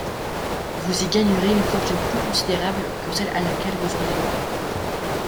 Vous y gagnerez une fortune plus considérable que celle à laquelle vous auriez droit.